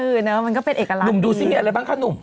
เออเนอะมันก็เป็นเอกลักษุ่มดูซิมีอะไรบ้างคะหนุ่ม